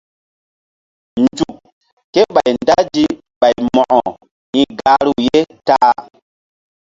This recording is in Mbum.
Nzuk ké ɓay ndazi ɓay Mo̧ko hi̧ gahru ye ta-a.